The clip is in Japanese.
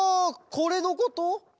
これのこと？